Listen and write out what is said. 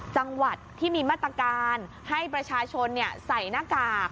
จังหวัดที่มีมาตรการให้ประชาชนใส่หน้ากาก